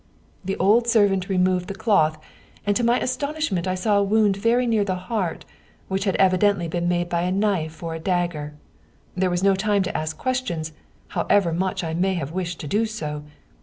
" The old servant removed the cloth, and to my aston ishment I saw a wound very near the heart, which had evidently been made by a knife or a dagger. There was no time to ask questions, however much I may have wished to do so.